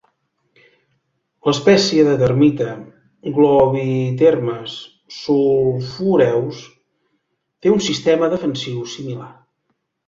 L'espècie de termita "Globitermes sulphureus" té un sistema defensiu similar.